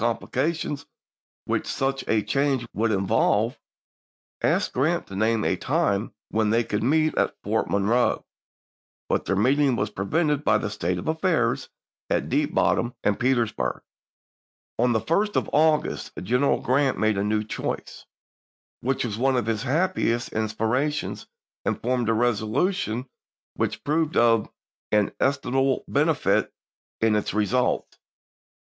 The President, seeing more clearly than any one else the wide range of personal complications which such a change would involve, asked Grant to name a time when they could meet at Fort Monroe ; but their meeting was prevented by the state of affairs at Deep Bottom and Petersburg. On the 1st of August General Grant made a new choice, which was one of his happiest in spirations, and formed a resolution which proved of inestimable benefit in its results.